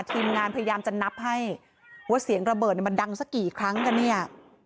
ทีมงานพยายามจะนับให้ว่าเสียงระเบิดมันดังสักกี่ครั้งกันเนี่ย